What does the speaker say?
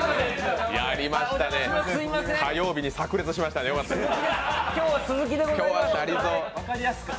火曜日にさく裂しましたね、よかったです。